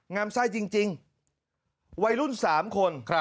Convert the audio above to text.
ำไส้จริงวัยรุ่น๓คน